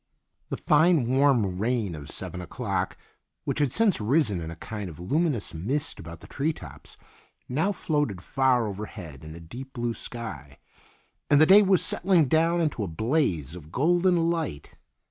The fine warm rain of seven o'clock, which had since risen in a kind of luminous mist about the tree tops, now floated far overhead in a deep blue sky, and the day was settling down into a blaze of golden light.